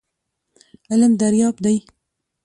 علم دریاب دی .